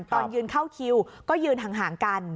ตอนยืนเข้าคิวก็ยืนห่างกัน